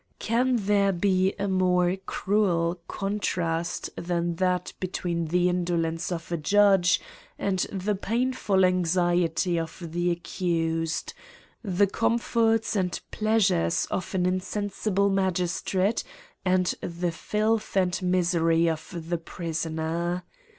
Can there be a more cruel contrast than that be tween the indolence of a judge and the painful CRIMES AND PUNISHMENTS. 7j anxiety of the accused ; the comforts and plea sures of an insensible magistrate, and the filth and misery of the prisoner?